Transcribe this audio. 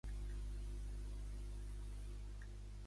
La curiositat del vent es va despertat, cosa que mai havia succeït.